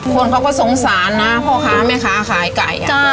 คนพ่อก็สงสารนะพ่อขาแล้วแม่ขาขายไก่